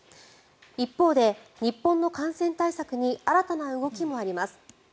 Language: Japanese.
一方で、日本の感染対策に新たな動きもあります。